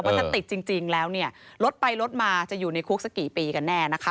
ถ้าติดจริงแล้วเนี่ยรถไปรถมาจะอยู่ในคุกสักกี่ปีกันแน่นะคะ